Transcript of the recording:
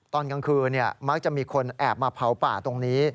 ตอนกลางคืนมักจะมีคนแอบมาเผาป่าตรงนี้